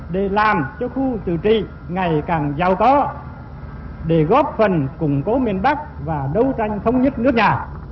đồng bào bộ đội và cán bộ khu tử tị ngày càng giàu có để góp phần củng cố miền bắc và đấu tranh thống nhất nước nhà